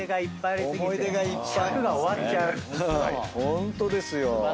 ホントですよ。